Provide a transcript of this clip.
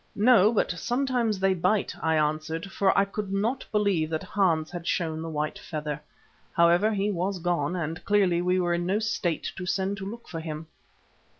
"No, but sometimes they bite," I answered, for I could not believe that Hans had showed the white feather. However, he was gone and clearly we were in no state to send to look for him.